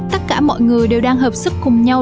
tất cả mọi người đều đang hợp sức cùng nhau